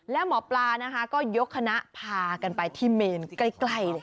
แล้วหมอปลานะคะก็ยกคณะพากันไปที่เมนใกล้เลย